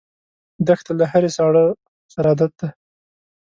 دښته له هرې ساړه سره عادت ده.